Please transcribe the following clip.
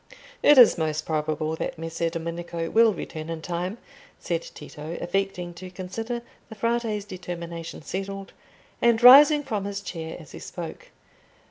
"It is most probable that Messer Domenico will return in time," said Tito, affecting to consider the Frate's determination settled, and rising from his chair as he spoke.